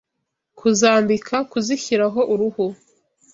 Kuzambika Kuzishyiraho uruhu